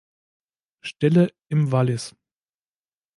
Stelle im Wallis.